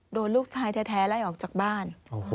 โดนลูกชายแท้ไล่ออกจากบ้าน